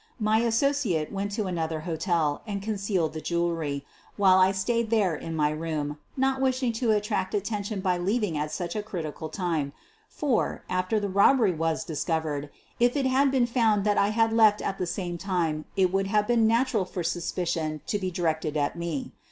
My associate went to another hotel and concealed the jewelry, while I stayed there in my room, not wishing to attract attention by leaving at such a critical time, for, after the robbery was discovered, if it had been found that I had left at the same time it would have been natural for suspicion to be directed at me.